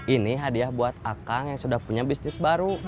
ini hadiah buat akang yang sudah punya bisnis baru